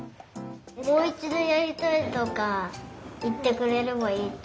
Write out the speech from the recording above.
もういちどやりたいとかいってくれればいいと。